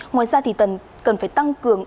ngoài ra thì cần phải tăng cường